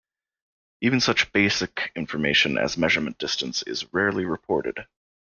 Even such basic information as measurement distance is rarely reported.